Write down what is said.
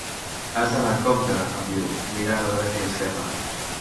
Has d'anar en compte —em diu, mirant a dreta i esquerra.